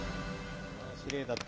きれいだった。